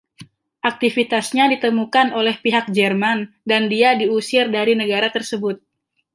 Aktivitasnya ditemukan oleh pihak Jerman dan dia diusir dari negara tersebut.